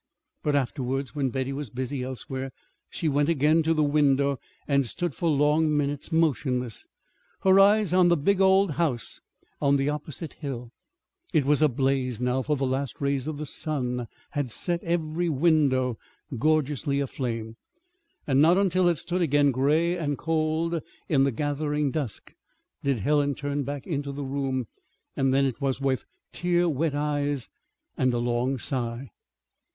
But afterwards, when Betty was busy elsewhere, she went again to the window and stood for long minutes motionless, her eyes on the big old house on the opposite hill. It was ablaze, now, for the last rays of the sun had set every window gorgeously aflame. And not until it stood again gray and cold in the gathering dusk did Helen turn back into the room; and then it was with tear wet eyes and a long sigh.